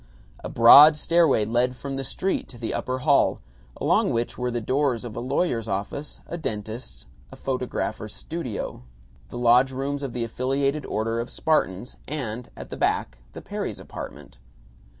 A broad stairway led from the street to the upper hall, along which were the doors of a lawyer's office, a dentist's, a photographer's "studio," the lodge rooms of the Affiliated Order of Spartans and, at the back, the Perrys' apartment.